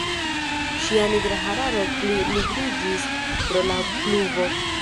Ŝia nigra hararo pli nigriĝis pro la pluvo.